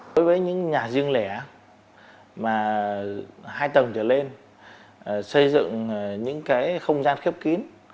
đối với những nhà riêng lẻ mà hai tầng trở lên xây dựng những cái không gian khiếp kín